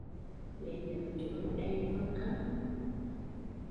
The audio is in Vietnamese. Lấy lớ chuối đậy nồi cơm